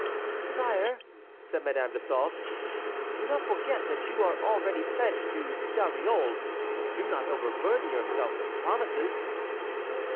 "Sire," said Madame de Sauve, "do not forget that you are already pledged to Dariole, and do not overburden yourself with promises."